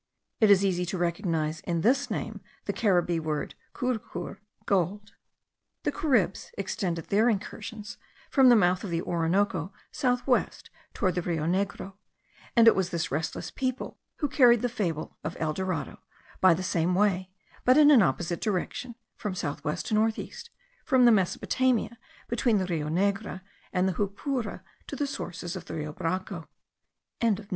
It is easy to recognize in this name the Caribbee word carucur, gold. The Caribs extended their incursions from the mouth of the Orinoco south west toward the Rio Negro; and it was this restless people who carried the fable of El Dorado, by the same way, but in an opposite direction (from south west to north east), from the Mesopotamia between the Rio Negro and the Jupura to the sources of the Rio Branco.)